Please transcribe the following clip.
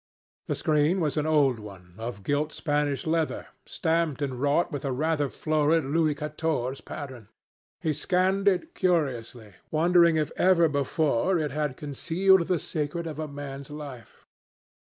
The screen was an old one, of gilt Spanish leather, stamped and wrought with a rather florid Louis Quatorze pattern. He scanned it curiously, wondering if ever before it had concealed the secret of a man's life.